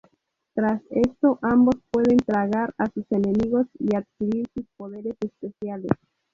Tras esto, ambos pueden tragar a sus enemigos y adquirir sus poderes especiales.